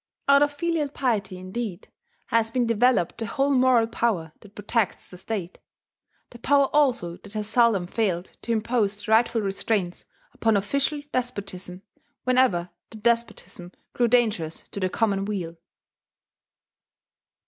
Out of filial piety indeed has been developed the whole moral power that protects the state, the power also that has seldom failed to impose the rightful restraints upon official despotism whenever that despotism grew dangerous to the common weal.